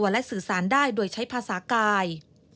และสื่อสารได้โดยใช้ภาษากาย